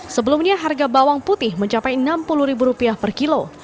sebelumnya harga bawang putih mencapai rp enam puluh per kilo